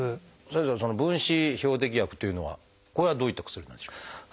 先生その分子標的薬というのはこれはどういった薬なんでしょうか？